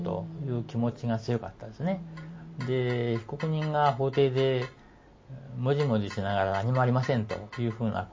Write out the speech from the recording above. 被告人が法廷でもじもじしながら「何もありません」というふうなことを言うとね